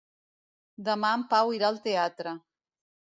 Demà en Pau irà al teatre.